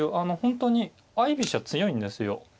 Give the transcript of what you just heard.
本当に相居飛車強いんですよ。